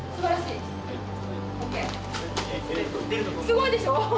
すごいでしょ？